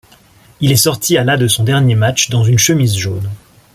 Il est sorti à la de son dernier match dans une chemise jaune.